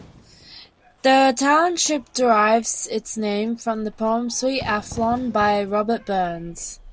The township derives its name from the poem "Sweet Afton" by Robert Burns.